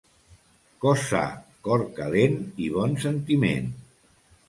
Cos sa, cor calent i bon sentiment.